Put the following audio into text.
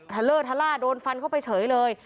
เลอร์ทะล่าโดนฟันเข้าไปเฉยเลย